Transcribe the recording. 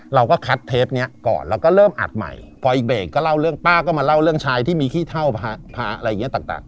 เราก็คัดเทปนี้ก่อนแล้วก็เริ่มอัดใหม่พออีกเบรกก็เล่าเรื่องป้าก็มาเล่าเรื่องชายที่มีขี้เท่าพระอะไรอย่างเงี้ยต่าง